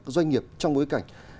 doanh nghiệp trong bối cảnh